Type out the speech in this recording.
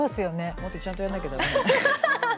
もっとちゃんとやんなきゃダメよね。